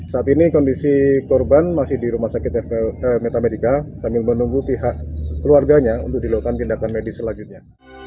saat ini kondisi korban masih di rumah sakit metamedika sambil menunggu pihak keluarganya untuk dilakukan tindakan medis selanjutnya